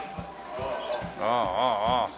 ああああああ。